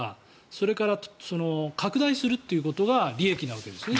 それから、拡大するということが利益なわけですね。